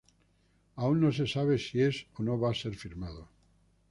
Aún no se sabe si es o no va a ser firmado.